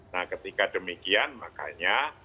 nah ketika demikian makanya